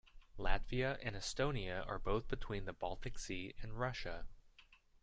Latvia and Estonia are both between the Baltic Sea and Russia.